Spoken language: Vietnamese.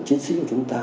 chiến sĩ của chúng ta